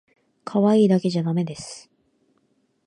かわいいだけじゃだめです